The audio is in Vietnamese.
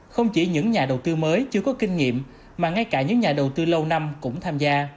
không chỉ những nhà đầu tư mới chưa có kinh nghiệm mà ngay cả những nhà đầu tư lâu năm cũng tham gia